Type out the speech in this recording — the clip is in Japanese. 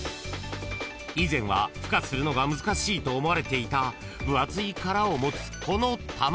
［以前はふ化するのが難しいと思われていた分厚い殻を持つこの卵］